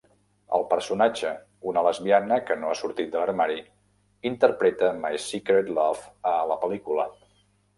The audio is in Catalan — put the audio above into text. El personatge, una lesbiana que no ha sortit de l'armari, interpreta "My Secret Love" a la pel·lícula.